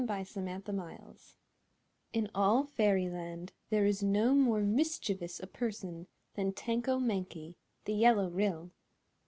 THE DUMMY THAT LIVED In all Fairyland there is no more mischievous a person than Tanko Mankie the Yellow Ryl.